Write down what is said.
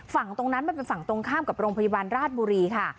ฝั่งตรงนั้นมันเป็นฝั่งตรงข้ามกับโรงพยาบาลราชบุรีค่ะ